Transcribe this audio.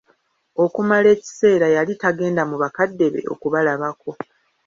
Okumala ekiseera yali tegenda mu bakadde be okubalabako.